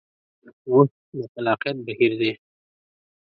نوښت د خلاقیت بهیر دی.